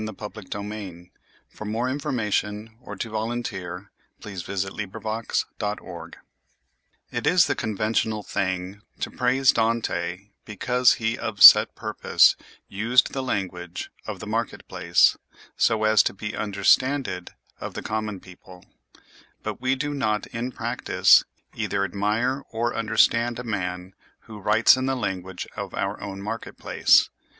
The Oxford Book of American Essays. 1914. Theodore Roosevelt (1858– ) XXX Dante and the Bowery IT is the conventional thing to praise Dante because he of set purpose "used the language of the market place," so as to be understanded of the common people; but we do not in practice either admire or understand a man who writes in the language of our own market place.